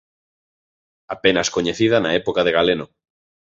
Apenas coñecida na época de Galeno.